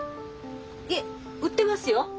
いえ売ってますよ。